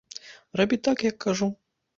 Рабі так, як кажу.